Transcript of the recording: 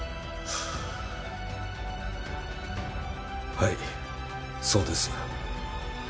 はいそうです。